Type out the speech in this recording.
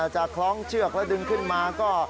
คล้องเชือกแล้วดึงขึ้นมาก็